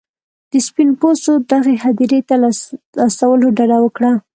د سپین پوستو دغې هدیرې ته له استولو ډډه وکړه.